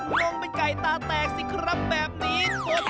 งงเป็นไก่ตาแตกสิครับแบบนี้